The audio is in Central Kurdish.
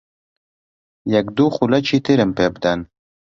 یەک دوو خولەکی ترم پێ بدەن.